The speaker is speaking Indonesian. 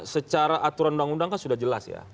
secara aturan undang undang kan sudah jelas ya